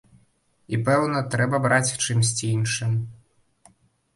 І, пэўна, трэба браць чымсьці іншым.